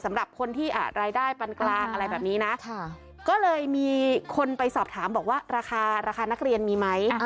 สำหรับคนที่รายได้ปันกลางอะไรแบบนี้นะก็เลยมีคนไปสอบถามบอกว่าราคาราคานักเรียนมีไหม